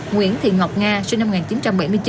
nguyễn thị ngọc nga sinh năm một nghìn chín trăm bảy mươi chín